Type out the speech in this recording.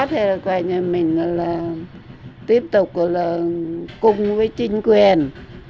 thì mình tiếp tục cùng với chính quyền